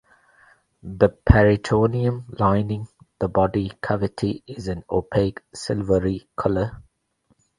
The peritoneum lining the body cavity is an opaque silvery colour.